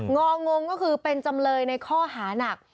งองงก็คือเป็นจำเลยในข้อหานัก